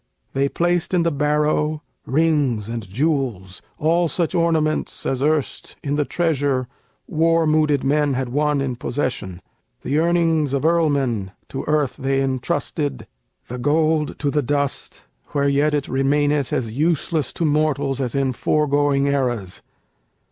They placed in the barrow rings and jewels, All such ornaments as erst in the treasure War mooded men had won in possession: The earnings of earlmen to earth they intrusted, The gold to the dust, where yet it remaineth As useless to mortals as in foregoing eras.